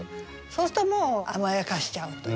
そうするともう甘やかしちゃうというね。